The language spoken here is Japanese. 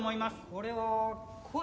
これは恋。